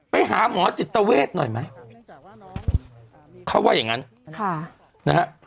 ไปหาหมอจิตเวทหน่อยไหมเขาว่าอย่างงั้นค่ะนะฮะ